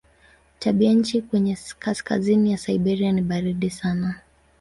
Tabianchi kwenye kaskazini ya Siberia ni baridi sana.